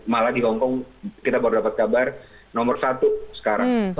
malah di hongkong kita baru dapat kabar nomor satu sekarang